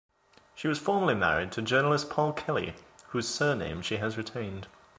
She was formerly married to journalist Paul Kelly, whose surname she has retained.